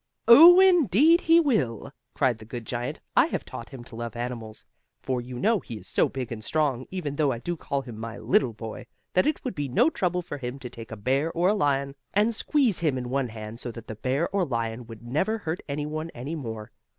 "Oh, indeed he will!" cried the good giant. "I have taught him to love animals, for you know he is so big and strong, even though I do call him my little boy, that it would be no trouble for him to take a bear or a lion, and squeeze him in one hand so that the bear or lion would never hurt any one any more.